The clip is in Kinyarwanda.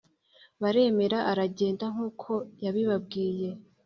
baremera aragenda nkuko yabibabwiye